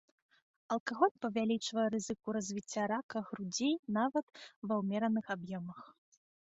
Алкаголь павялічвае рызыку развіцця рака грудзей нават ва ўмераных аб'ёмах.